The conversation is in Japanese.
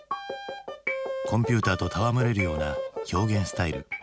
コンピューターと戯れるような表現スタイル。